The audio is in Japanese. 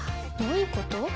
どういうこと？